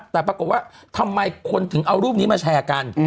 แต่ปรากฏว่าทำไมคนถึงเอารูปนี้มาแชร์กัน